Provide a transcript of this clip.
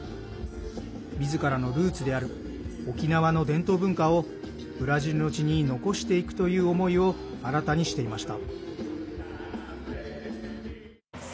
みずからのルーツである沖縄の伝統文化をブラジルの地に残していくという思いを新たにしていました。